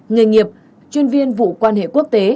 người nghiệp chuyên viên vụ quan hệ quốc tế